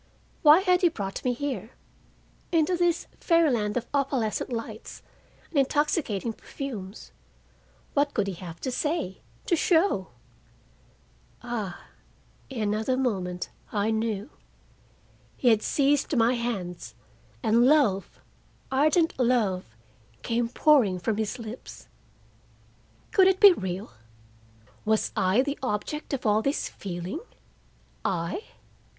Why had he brought me here, into this fairyland of opalescent lights and intoxicating perfumes? What could he have to say—to show? Ah in another moment I knew. He had seized my hands, and love, ardent love, came pouring from his lips. Could it be real? Was I the object of all this feeling, I?